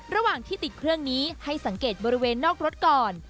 ระหว่างที่ติดเครื่องนี้ให้สังเกตบริเวณนอกรถก่อน